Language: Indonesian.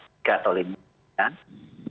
protokol kesehatannya tiga atau lima